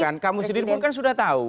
kan kamu sendiri pun kan sudah tahu